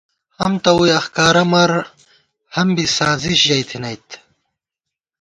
ہَم تہ ووئی اخکا رہ مَر، ہَم بی سازِش ژَئی تھنَئیت